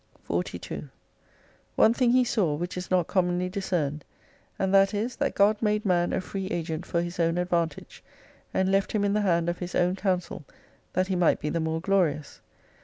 265 42 One thing he saw, which is not commonly discerned, and that is, that God made man a free agent for his own advantage, and left him in the hand of his own counsel, that he might be the more glorious.